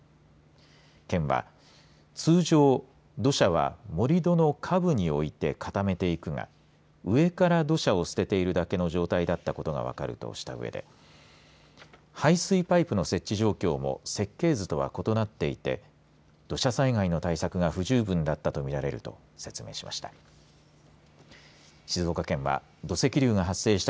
県は通常、土砂は盛り土の下部に置いて固めていくが上から土砂を捨てているだけの状態だったことが分かるとしたうえで排水パイプの設置状況も設計図とは異なっていて土砂災害の対策が不十分だったとみられると説明しました。